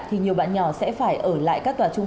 thì nhiều bạn nhỏ sẽ phải ở lại các tòa trung